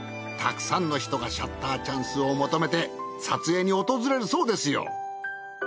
たくさんの人がシャッターチャンスを求めて撮影に訪れるそうですよ。